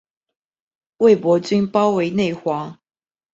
魏博军包围内黄。